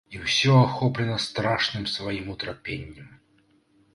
І ўсё ахоплена страшным сваім утрапеннем.